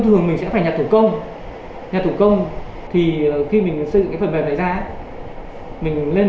thường mình sẽ phải nhà thủ công nhà thủ công thì khi mình xây dựng cái phần mềm này ra mình lên